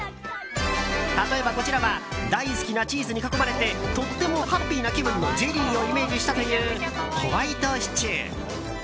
例えば、こちらは大好きなチーズに囲まれてとってもハッピーな気分のジェリーをイメージしたというホワイトシチュー。